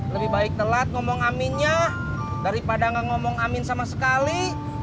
lebih baik telat ngomong aminnya daripada nggak ngomong amin sama sekali